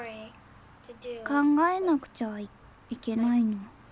考えなくちゃいけないの。